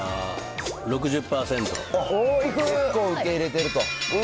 結構受け入れてると。